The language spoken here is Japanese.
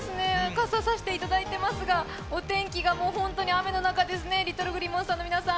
傘さしていただいていますが、お天気がもうホントに雨の中ですね。